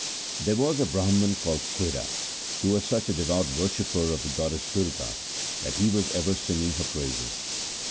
There was a Brahman called Kheda who was such a devout worshipper of the goddess Durga that he was ever singing her praises.